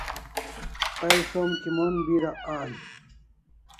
Tay som kimon bira an?